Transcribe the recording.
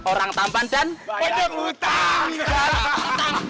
orang tamban dan bayang utang